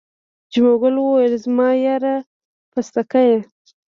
جمعه ګل وویل زما یاره پستکیه.